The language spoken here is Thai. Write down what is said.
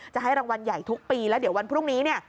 จะให้รางวัลใหญ่ทุกปีแล้วเดี๋ยววันพรุ่งนี้เนี่ย